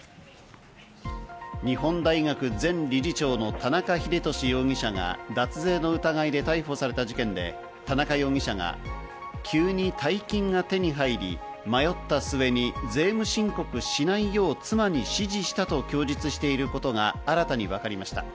日本大学・前理事長の田中英壽容疑者が脱税の疑いで逮捕された事件で、田中容疑者が急に大金が手に入り、迷った末に税務申告しないよう妻に指示したと供述していることが新たに分かりました。